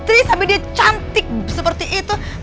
rumah yang bagus mewah